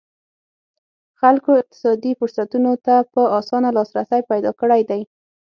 خلکو اقتصادي فرصتونو ته په اسانه لاسرسی پیدا کړی دی.